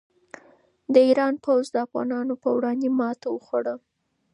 د ایران پوځ د افغانانو په وړاندې ماته وخوړه.